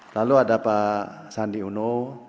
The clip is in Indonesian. lalu ada pak sandi uno